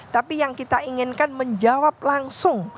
tapi yang kita inginkan menjawab langsung